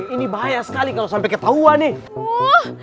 ini bahaya sekali kalau sampai ketahuan nih